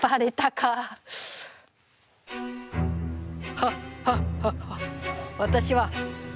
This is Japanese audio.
ハッハッハッハッ！